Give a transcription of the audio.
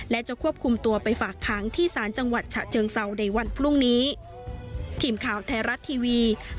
และจะควบคุมตัวไปฝากค้างที่สารจังหวัดฉะเจิงเซาในวันพรุ่งนี้